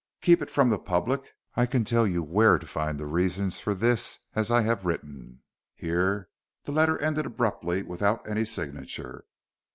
Keep it from the public. I can tell you where to find the reasons for this as I have written " Here the letter ended abruptly without any signature.